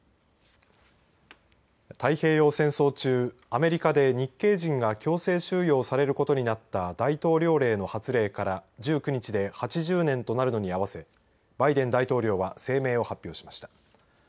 太平洋戦争中アメリカで日系人が強制収容されることになった大統領令の発令から１９日で８０年となるのに合わせバイデン大統領は声明を発表しました。